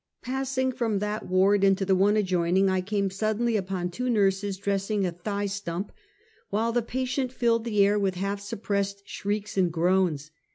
Passing from that ward into the one adjoining, I came suddenly upon two nurses dressing a thigh stump, while the patient filled the air with half sup pressed shrieks and groans.